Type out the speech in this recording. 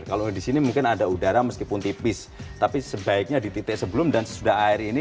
kalau di sini mungkin ada udara meskipun tipis tapi sebaiknya di titik sebelum dan sesudah air ini